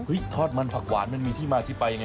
ทอดมันผักหวานมันมีที่มาที่ไปยังไง